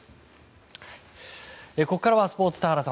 ここからはスポーツ田原さん